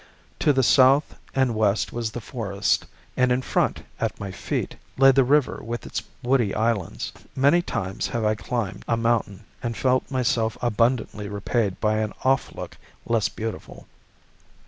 To the south and west was the forest, and in front, at my feet, lay the river with its woody islands. Many times have I climbed a mountain and felt myself abundantly repaid by an off look less beautiful.